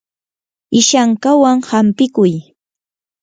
ishankawan hampikuy.